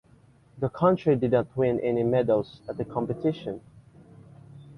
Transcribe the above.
The country did not win any medals at the competition.